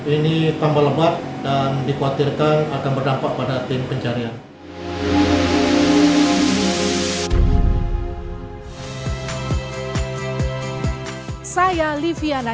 ini tambah lembab dan dikhawatirkan akan berdampak pada tim pencarian